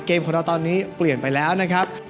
เกมของเราตอนนี้เปลี่ยนไปแล้วนะครับ